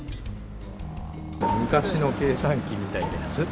昔の計算機みたいなやつ。